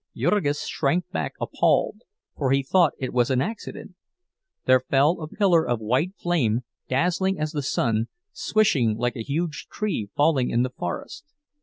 Jurgis shrank back appalled, for he thought it was an accident; there fell a pillar of white flame, dazzling as the sun, swishing like a huge tree falling in the forest.